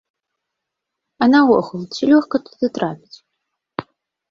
А наогул, ці лёгка туды трапіць?